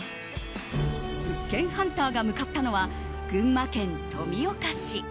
物件ハンターが向かったのは群馬県富岡市。